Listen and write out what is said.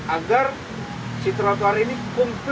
agar si trotoar ini kumpul